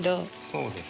そうですね。